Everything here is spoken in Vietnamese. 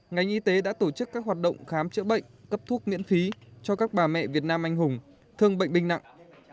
ngành y tế đã tổ chức các hoạt động khám chữa bệnh cấp thuốc miễn phí cho các bà mẹ việt nam anh hùng thương bệnh binh nặng